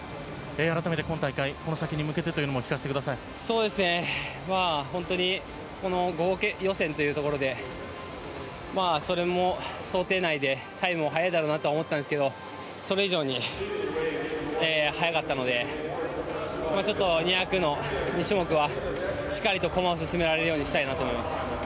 改めて、今大会この先に向けてというのもこの予選というところでそれも想定内でタイムも速いだろうなとは思ったんですけどそれ以上に速かったのでちょっと２００の２種目はしっかりと駒を進められるようにしたいなと思います。